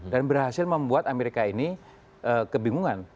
dan berhasil membuat amerika ini kebingungan